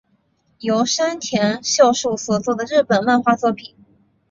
是山田秀树所作的日本漫画作品。